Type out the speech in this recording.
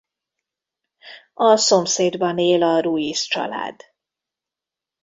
A szomszédban él a Ruiz-család.